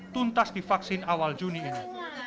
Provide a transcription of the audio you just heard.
tuntas di vaksin awal juni ini